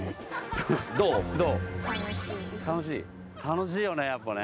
楽しいよねやっぱね。